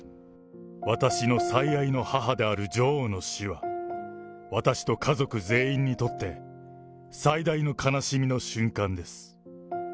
私の最愛の母である女王の死は、私と家族全員にとって、最大の悲しみの瞬間です。